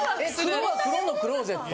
・黒は黒のクローゼット？